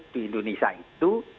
di indonesia itu